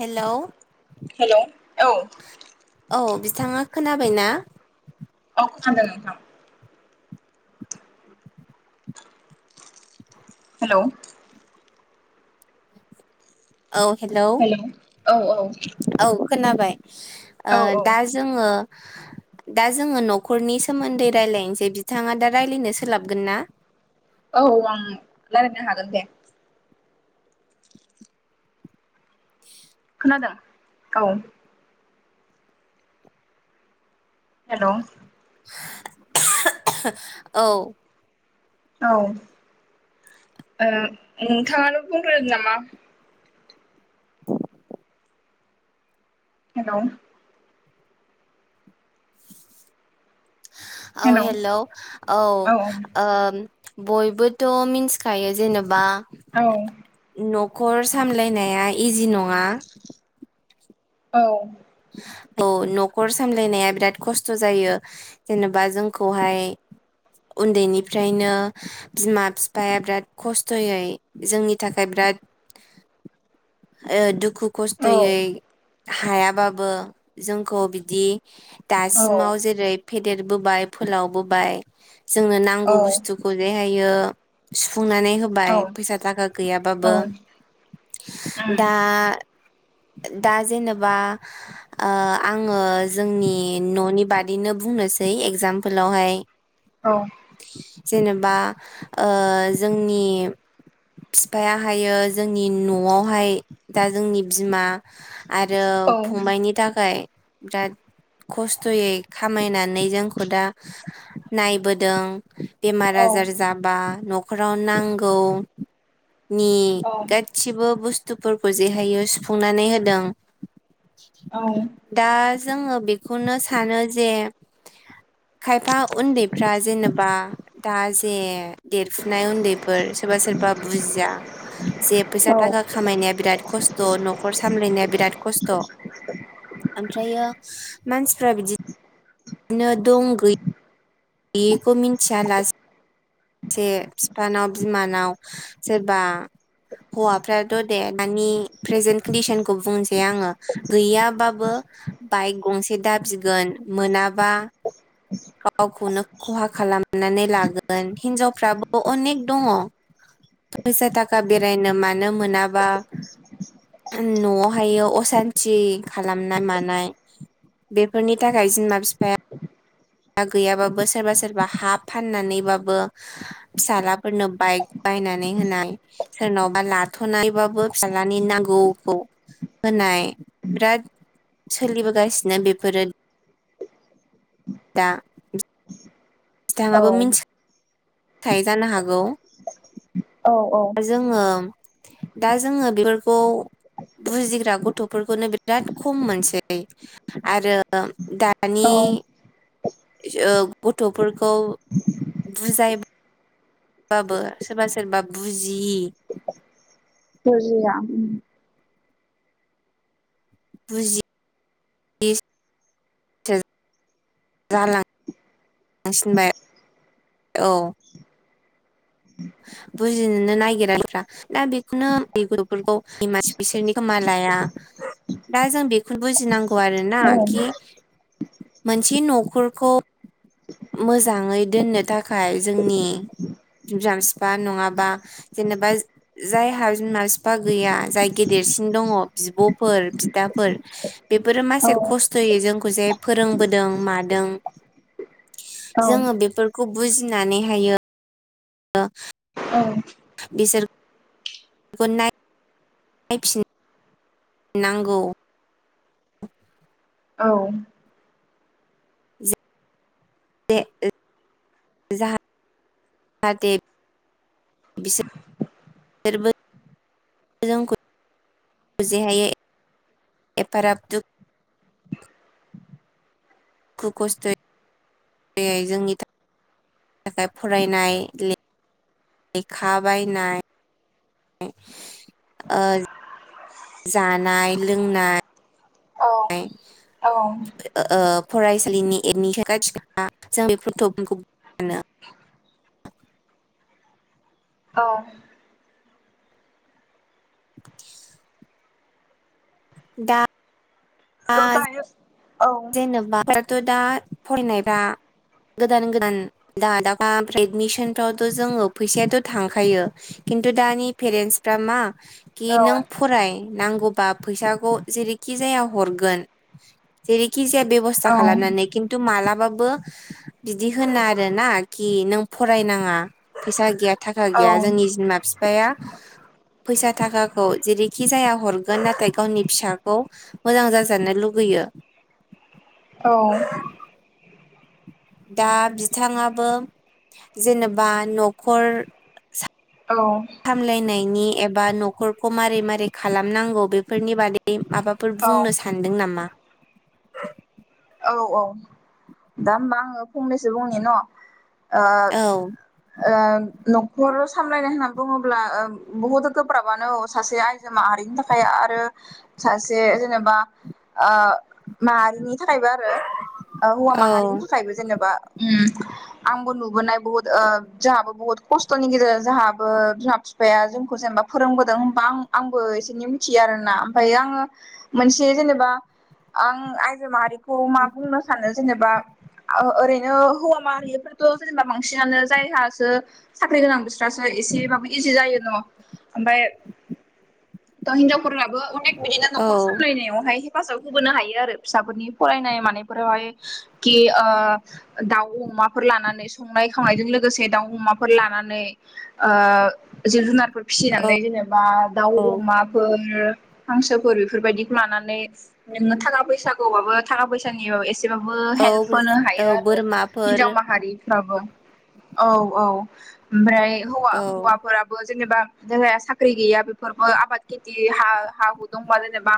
Hello hello औ औ बिथाङा खोनाबाय ना? औ खोनादों नोंथां हेल' औ हेल' औ औ खोनाबाय औ ओ दा औ जोङो दा जोङो न'खरनि सोमोन्दै रायजलायनोसै बिथाङा दा रायज्लायनो सोलाबगोन ना। औ आं रायलायनो हागोन दे। [inaudible] खोनादों औ। हेल' औ औ ओ नोंथाङानो बुंग्रोनो नामा? [inaudible] हेल' औ हेलौ हेल' औ औ ओम। बयबोथ' मिन्थिखायो जेनेबा। औ। न'खर सामलायनाया इजि नङा। औ औ न'खर सामलायनाया बिराद खस्थ' जायो। जेनेबा जोंखौहाय उन्दैनिफ्रायनो। बिमा बिफाया बिराद खस्थ'यै जोंनि थाखाय बिराद [inaudible] ओ दुखु औ खस्थ'यै हायाबाबो जोंखौ बिदि दासिमाव जेरै फेदेरबोबाय फोलावबोबाय जोंनो नांगौ औ बुस्थुखौ [unintelligible] हायो। सुफुंनानै औ उम औ होबाय फैसा थाखा गैयाबाबो औ औ दा दा जेनेबा। [inaudible] ओ आङो जोंनि न'नि बादैनो बुंनोसै एगजामपोलावहाय। औ जेनेबा ओ जोंनि बिफायाहायो जोंनि न'आवहाय दा जोंनि बिमा आरो फंबायाइनि थाखाय बिराद खस्थ'यै खामायनानै जोंखौ दा नायबोदों। बेमार औ आजार जाबा न'खराव नांगौनि ग गसिबो बुस्थुफोरखौ जेहायो सुफुंनानै होदों। [inaudible] औ दा जोङो बेखौनो सानो जे खायफा उन्दैफ्रा जेनेबा दा जे देरफुनाय उन्दैफोर सोरबा सोरबा बुजिया। जे फैसा थाखा खामायनाया बिराद खस्थ' न'खर सामलायनाया बिराद खस्थ'। ओमफ्रायो मानसिफ्रा बिदि [inaudible] नो दं गै गैयिखौ मिनथिया लासे से बिफानाव बिमानाव सोरबा हौवाफ्राथ' दे दानि प्रेजेन्ट कन्डिसनखौ बुंनोसै आङो गैयाबाबो बाइक गंसे दाबिगोन मोनाबा गावखौनो खहा खालामनानै लागोन। हिनजावफ्राबो अनेक दङ। फैसा थाखा बेरायनो मानो मोनाबा। न'आवहायो असान्थि खालामनाय मानाय। बेफोरनि थाखाय बिमा बिफाया। हा गैयाबाबो सोरबा सोरबा हा फाननानैबाबो फिसाज्लाफोरनो बाइक बायनानै होनाय। सोरनावबा लाथ'नानैबाबो फिसाज्लानि नांगौखौ। होनाय बिराद सोलिबोगासिनो बेफोरो। दा बिथाङाबो मिथि खायो जानो हागौ औ औ जोङो दा जोङो बेफोरखौ बुजिग्रा गथ' फोरखौनो बिराद खम मोनसै आरो दानि। औ गथ'फोरखौ बुजाय बाबो सोरबा सोरबा बुजियि बुजिया। बुजि [unintelligible] जालां लांसिनबाय औ बुजिनोनो नागिराफ्रा ना बे बेनो [unintelligible] खोमा लाया दा जों बेखौनो बुजिनांगौ आरो ना उम कि मोनसे न'खरखौ मोजाङै दोननो थाखाय खाय जोंनि बिमा बिफा नङाबा जेनेबा जायहा बिमा बिफा गैया जाय गेदेरसिन दङ बिब'फोर बिदाफोर बेफोरो औ मानसे औ खस्थ' जोंखौ जे फोरोंबोदों मादों जोङो बेफोर खौ बुजिनानै हायो। [unintelligible] औ बिसोर गुड नाइ नाय फिन नांगौ। औ जे जाहा थे बिसोरबो जोंखौ जेहायै एफाराब दु। दुखु खस्थ'यैै जोंनि थाखाय थाखाय फरायनाय लि लेखा बायनाय। ओ जानाय लोंनाय। औ नाय औ ओ फरायसालिनि एडमिसन गथिखा जों बे फटखौ औ दा [unintelligible] जेनेबाथ' दा फरायनायफ्रा गोदान गोदान द दाब एदमिसन फावथ' जोङो फैसायाथ' थांखायो। खिन्थु दानि पेरेन्टसफ्रा मा कि औ नों फराय नांगौबा फैसाखौ जेरैखि जाया हरगोन जेरैखि जाया बेबस्था औ खालामनानै खिन्थु मालाबाबो बिदि होनो आरो ना कि नों फरायनाङा फैसा गैया थाखा गैया जोंनि बिमा-फिफाया फैसा थाखाखौ जेरैखि जाया हरगोन नाथाय गावनि फिसाखौ मोजां जाजानो लुुगैयो औ दा बिथाङाबो जेनेबा न'खर औ सामलायनायनि एबा न'खरखौ मारै मारै खालामनांगौ बेफोरनि बादै माबा फोर बुंनो सान्दों नामा? औ औ दा होमबा आङो फंनैसो बुंनि न ओ औ ओ न'खर सामलायनाय होनना बुङोब्ला ओम बहुद गोब्राबानो औ सासे आयजो माहारिनि थाखाय आरो सासे जेनेबा ओ मानि थाखायबो आरो ओ हौवा औ माहारिनि थाखायबो जेनेबा आंबो नुबोनाय बुहुत ओ जोंहाबो बुहुत खस्थ'नि गेजेरजों जोंहाबो बिफाया जोंखौ जेनेबा फोरोंबोदों होनबा आं आंबो एसे एनै मिथियो आरोना ओमफाय आङो मोनसे जेनेबा आं आयजो माहारिखौ मा बुंनो सानो जेनेबा आ ओरैनो हौवा मारिफोरखो जेनेबा बांसिनानो जायहासो साख्रि गोनां बिस्रासो एसेबाबो इजि जायो न' ओमफाय थ' हिनजावफोरनाबो अनेक बिदिनो औ न'खर सामलायनायावहाय हेफाजाब होबोनो हायो आरो फिसाफोरनि फरायनाय मानायफोरावहाय कि ओ दाउ अमाफोर लानानै संनाय खावनायजों लोगोसे दाउ अमाफोर लानानै ओ जिब-जुनार फिसिनानै जेनेबा दाउ, औ अमा फोर हांसोफोर बेफोरबायदिखौ लानानै [unintelligible] थाखा फैसाखौबाबो थाखा फैसानि एसेबाबो औ हेल्प होनो औ हायो आरो बोरमाफोर हिन्जाव माहारिफ्राबो औ औ ओमफ्राय हौवा औ हौवाफोराबो जेनेबा जोंहा साख्रि गैया बेफोरबो आबाद खेथि हा हा हु दंबा जेनेबा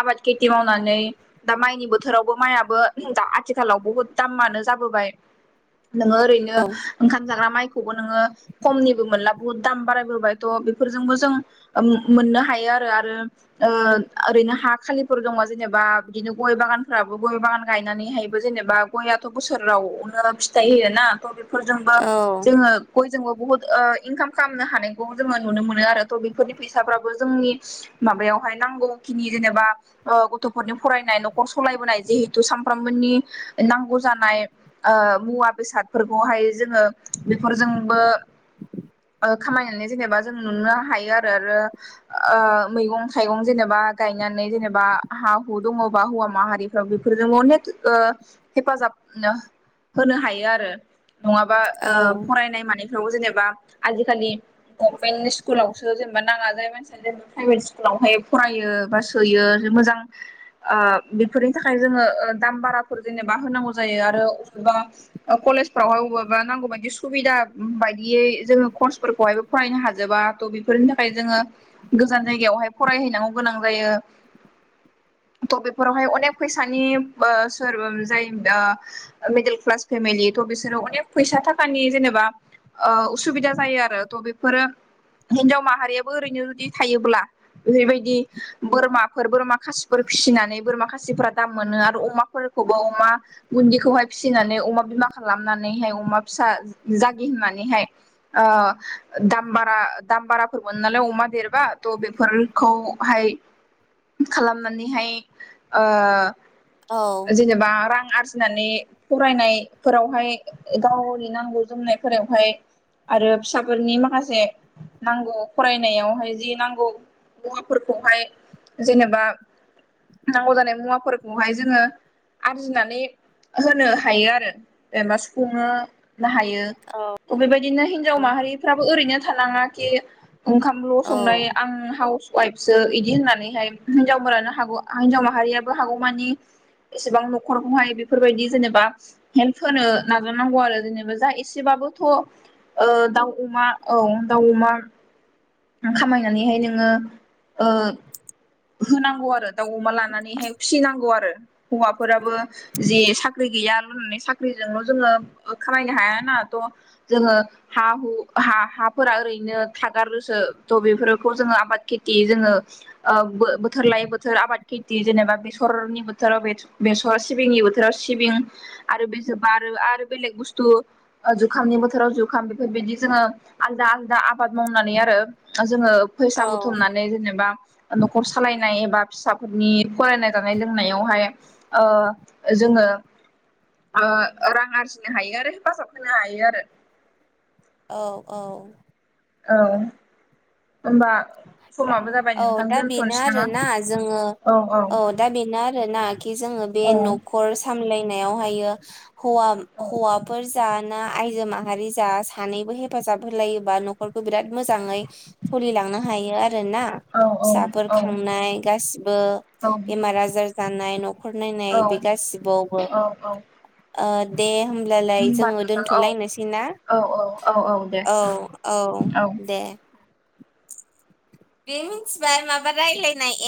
आबाद खेथि मावनानै दा माइनि बोथ बोथोरावबो माइआबो दा आथिखालाव बहुद दामानो जाबोबाय नोङो ओरैनो औ ओंखाम जाग्रा माइखौबो नोङो खमनिबो मोनला बहुद दाम बारायबोबायथ' बेफोरजोंबो जों मुं मोननो हायो आरो आरो ओ ओरैनो हा खालिफोर दंबा जेनेबा बिदिनो गय बागान फोराबो गय बागान गायनानैहायबो जेनेबा गयाथ' बोसोरावनो फिथाइ होयोना थ फोरजोंबो औ जोङो बयजोंबो बुहुत ओ इनकाम खालामनो हानायखौ जोङो नुनो मोनो आरो थ' बेफोरनि फैसाफ्राबो जोंनि माबायावहाय नांगौ खिनि जेनेबा ओ गथ'फोरनि फरायनाय न'खर सलायबोनाय जिहेतु सामफ्रामबोनि नांगौ जानाय ओ मुवा बेसादफोरखौहाय जोङो बेफोरजोंबो ओ खामायनानै जेनेबा जों नुनो हायो आरो [unintelligible] रो ओ मैगं थाइगं जेनेबा गायनानै जेनेबा हा हु दङबा हौवा माहारिफ्राव बेफोरजों अनेक ओ हेफाजाब नो होनो हायो आरो नङाबा औ ओ फरायनाय मानायफ्राव जेनेबा आजिखालि गभनमेन्टनि स्कुलावसो जेनेबा नाङा जाय मान [unintelligible] प्राइभेट स्कुलावहाय फरायो बा सोयो मोजां ओ बेफोरनि थाखाय जोङो ओ दाम बाराफोर जेनेबा होनांगौ जायो आरो अखमबा कलेजफोरावहाय अबेबा नांगौ बायदि सुबिदा बायदियै जोङो कर्सफोरखौहाय फरायनो हाजोबा थ' बेफोरनि थाखाय जोङो गोजान जायगायावहाय फरायहैनांगौ गोनां जायो थ बे फोरावहाय अनेक फैसानि ओ सोर जाय मिडिल क्लास फेमिलि थ' बिसोरो अनेक फैसा थाखानि जेनेबा उसुबिदा जायो आरो थ' बेफोरो हिनजाव माहारियाबो ओरैनो जुदि थायोब्ला। बेफोरबायदि बोरमाफोर बोरमा खासिफोर फिसिनानै बोरमा खासिफोरा दाम मोनो आरो अमाफोरखौबो अमा गुन्दिखौहाय फिसिनानै अमा बिमा खालामनानैहाय अमा फिसा जागि होननानै हाय। ओ दाम बारा दाम बाराफोर मोनो नालाय अमा देरबा थ' बेफोर खौहाय खालामनानैहाय औ ओ जेनेबा रां आरजि फनानै फरायनायफोरावहाय गावनि नांगौ जोमनायफोरावहाय आरो फिसाफोरनि माखासे नांगौ फरायनायावहाय जि नांगौ हौवाफोरखौहाय जेनेबा नांगौ जानाय मुवाफोरखौहाय जोंङो आरजिनानै होनो हायो आरो जेनबा सुफुंनो हायो बेबायदिनो हिनजाव माहारिफ्राबो ओरैनो थानाङा खि ओंखामल' औ संनाय आं हाउस वाइफसो बिदि होननानैहाय हिनजावफोरानो हागौ हिनजाव माहारियाबो हागौमानि एसेबां न'खरखौहाय बेफोरबायदि जेनेबा हेल्प होनो नाजा नांगौ आरो जेनेबा जा एसे बाबोथ' ओ दाउ अमा औ दाउ अमा खामायनानैहाय नोंङो होनांगौ आरो। दाउ अमा लानानैहाय फिसिनांगौ आरो हौवाफोराबो जि साख्रि गैयाल' होननानै साख्रिजोंल' जोंङो खामायनो हाया ना थ' जोंङो हा हु हा हाफोरा ओरैनो थागारो हो थह बेफोरखौ जोंङो आबाद खेथि जोंङो बोथोर लायै बोथोर आबाद खेथि जेनेबा बेसरनि बोथोराव बे बेसआ सिबिंनि बोथोराव सिबिं आरो बेजों आरो आरो बेलेग बुस्थु जुखामनि बोथोराव जुखाम बेफोरबायदि जोंङो आलदा आलादा आबाद मावनानै आरो जोंङो फैसा औ बुथुमनानै जेनेबा न'खर सालायनाय एबा फिसाफोरनि फरायनाय जानाय लोंनायावहाय ओ जोंङो ओ रां आरजिनो हायो आरो हेफाजाब होनो हायो आरो। औ औ। औ। होमबा दा सममाबो जाबाय औ नोंथां दा बेनो दोनथ'नोसै नामा आरोना जोङो औ औ। दा बेनो आरो ना खि जोंङो बे औ न'खर सामलायनायावहायो हौवा औ हौवाफोर जा ना आयजो माहारि जा सानैबो हेफाजाब होलायोबा नखर फोरखौ बिराद मोजाङै सोलिलांनो हायो आरोना। औ औ फिसाफोर खांनाय गासिबो औ बेमार आजार जानाय नख न'खर नायनाय औ बे गासिबावबो। औ औ। ओ दे होमब्लालाय होनबा जोंङो नोंथां औ दोन्थ'लायनोसै ना? औ औ औ दे औ औ दे। बे मिथिबाय माबा रायलाय एफ